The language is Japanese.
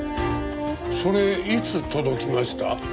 それいつ届きました？